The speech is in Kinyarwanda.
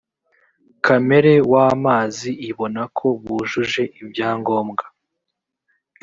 kamere w amazi ibona ko bujuje ibyangombwa